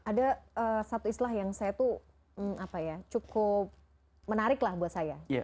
ada satu istilah yang saya tuh cukup menarik lah buat saya